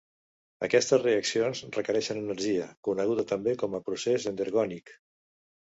Aquestes reaccions requereixen energia, coneguda també com a procés endergònic.